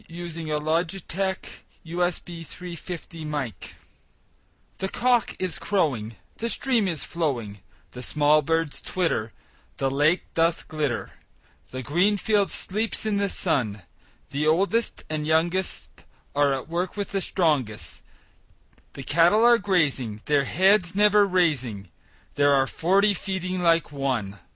William Wordsworth Written in March THE cock is crowing, The stream is flowing, The small birds twitter, The lake doth glitter The green field sleeps in the sun; The oldest and youngest Are at work with the strongest; The cattle are grazing, Their heads never raising; There are forty feeding like one!